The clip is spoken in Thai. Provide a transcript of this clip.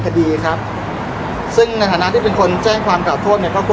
พี่แจงในประเด็นที่เกี่ยวข้องกับความผิดที่ถูกเกาหา